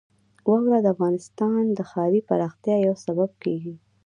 واوره د افغانستان د ښاري پراختیا یو سبب کېږي.